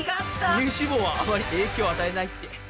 乳脂肪はあまり影響をあたえないって。